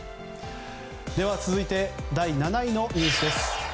では続いて第７位のニュースです。